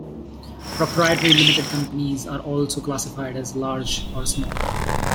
Proprietary limited companies are also classified as "large" or "small".